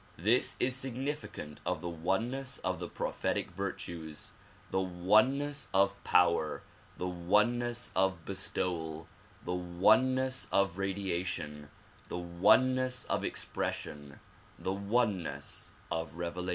This is significant of the oneness of the prophetic virtues, the oneness of power, the oneness of bestowal, the oneness of radiation, the oneness of expres sion, the oneness of revelation.